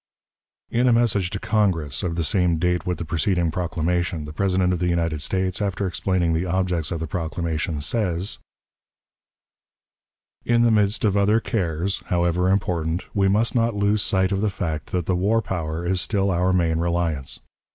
In a message to Congress, of the same date with the preceding proclamation, the President of the United States, after explaining the objects of the proclamation, says: "In the midst of other cares, however important, we must not lose sight of the fact that the war power is still our main reliance.